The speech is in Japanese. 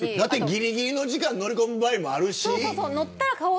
ぎりぎりの時間に乗り込む場合もあるし。